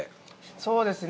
そうですね。